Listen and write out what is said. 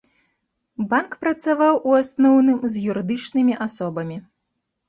Банк працаваў, у асноўным, з юрыдычнымі асобамі.